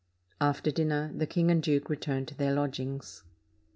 After dinner, the king and duke returned to their lodgings.